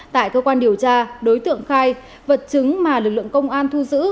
tại cơ quan điều tra đối tượng khai vật chứng mà lực lượng công an thu giữ